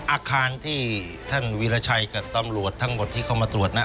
อาคารที่ท่านวีรชัยกับตำรวจทั้งหมดที่เข้ามาตรวจนะ